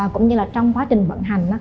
cũng như trong quá trình vận hành